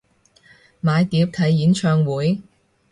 買碟睇演唱會？